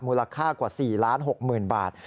มูลค่ากว่า๔๖ล้านบาท